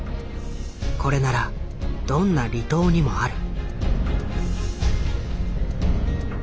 これならどんな離島にもある。